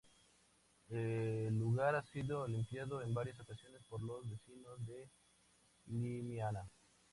El lugar ha sido limpiado en varias ocasiones por los vecinos de Llimiana.